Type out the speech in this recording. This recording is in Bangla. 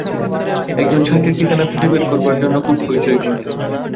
একজন ছাত্রীর ঠিকানা খুঁজে বের করবার জন্যে খুব হৈচৈ করলেন।